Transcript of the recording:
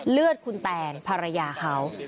เลือดคุณแตนภรรยาเขา